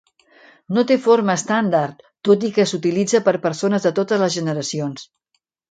No té forma estàndard, tot i que s'utilitza per persones de totes les generacions.